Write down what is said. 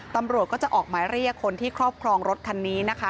ตำรวจก็จะออกหมายเรียกคนที่ครอบครองรถคันนี้นะคะ